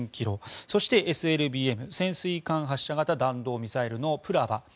そして、ＳＬＢＭ・潜水艦発射弾道ミサイルのブラヴァ。